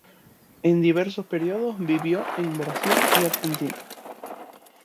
En diversos periodos vivió en Brasil y Argentina.